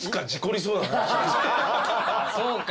そうか。